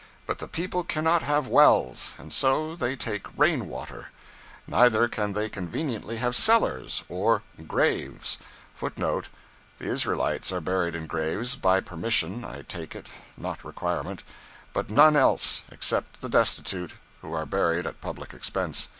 But the people cannot have wells, and so they take rain water. Neither can they conveniently have cellars, or graves,{footnote [The Israelites are buried in graves by permission, I take it, not requirement; but none else, except the destitute, who are buried at public expense.